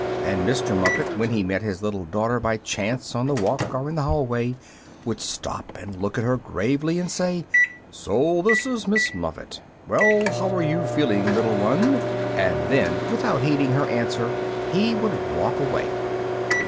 And Mr. Muffet, when he met his little daughter by chance on the walk or in the hallway, would stop and look at her gravely and say, "So this is Miss Muffet. Well, how are you feeling, little one?" And then, without heeding her answer, he would walk away.